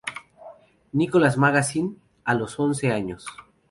Nicholas Magazine" a los once años.